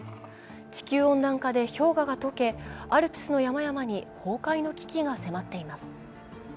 地球温暖化で氷河が溶け、アルプスの山々に崩壊の危機が迫っています。